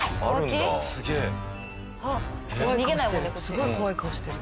すごい怖い顔してる。